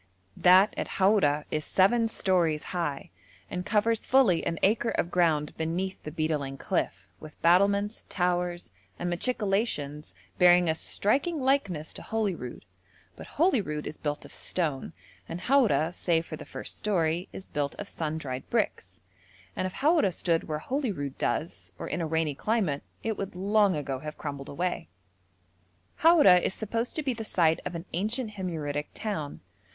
That at Haura is seven stories high, and covers fully an acre of ground beneath the beetling cliff, with battlements, towers, and machicolations bearing a striking likeness to Holyrood; but Holyrood is built of stone, and Haura, save for the first story, is built of sun dried bricks, and if Haura stood where Holyrood does, or in a rainy climate, it would long ago have crumbled away. Haura is supposed to be the site of an ancient Himyaritic town.